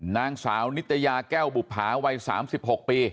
นางสาวนิตยาแก้วบุภาวัย๓๖ปี